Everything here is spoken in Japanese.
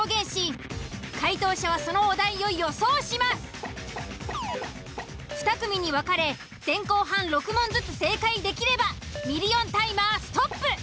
封筒の中に入っている２組に分かれ前後半６問ずつ正解できればミリオンタイマーストップ。